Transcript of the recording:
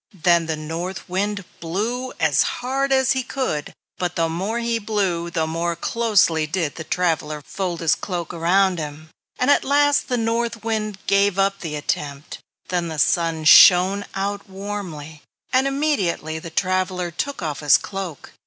Then the North Wind blew as hard as he could, but the more he blew the more closely did the traveler fold his cloak around him; and at last the North Wind gave up the attempt. Then the Sun shined out warmly, and immediately the traveler took off his cloak.